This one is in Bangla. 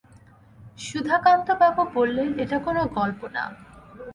সুধাকান্তবাবু বললেন, এটা কোনো গল্প না।